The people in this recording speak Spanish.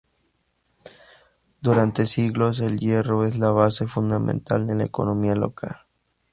Durante siglos, el hierro es la base fundamental de la economía local.